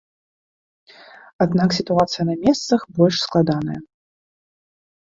Аднак сітуацыя на месцах больш складаная.